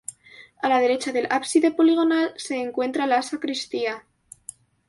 A la derecha del ábside poligonal se encuentra la sacristía.